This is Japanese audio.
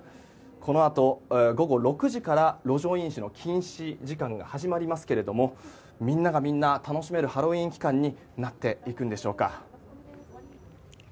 このあと午後６時から路上飲酒の禁止時間が始まりますがみんながみんな楽しめるハロウィーン期間になっていくんでしょうか。